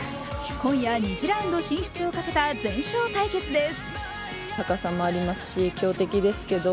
今夜２次ラウンドをかけた全勝対決です。